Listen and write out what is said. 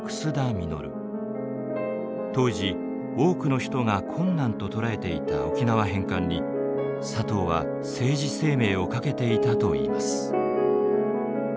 当時多くの人が困難と捉えていた沖縄返還に佐藤は政治生命を懸けていたといいます。